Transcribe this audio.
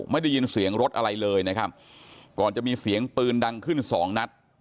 ไม่ได้ยินเสียงรถอะไรเลยนะครับก่อนจะมีเสียงปืนดังขึ้นสองนัด